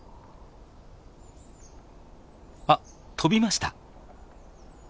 あっ飛びました！